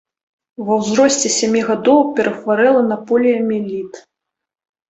Ва ўзросце сямі гадоў перахварэла на поліяміэліт.